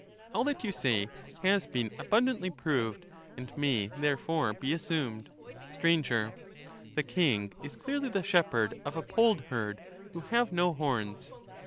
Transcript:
All that you say has been abundantly proved, and may therefore be assumed. Sir. The king is clearly the shepherd of a polled herd, who have no horns.